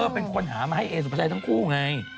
เป็นคนหามาให้เอสุภาชัยทั้งคู่ไง